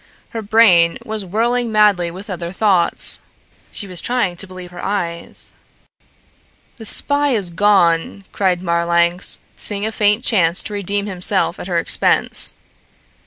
Her brain was whirling madly with other thoughts. She was trying to believe her eyes. "The spy is gone," cried Marlanx, seeing a faint chance to redeem himself at her expense.